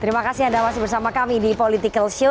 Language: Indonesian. terima kasih anda masih bersama kami di political show